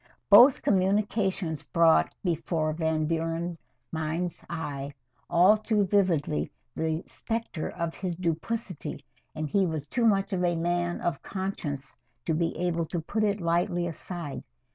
Both communications brought before Van Buren's mind's eye all too vividly the specter of his duplicity, and he was too much of a man of conscience to be able to put it lightly aside.